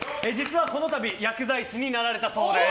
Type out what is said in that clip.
この度薬剤師になられたそうです。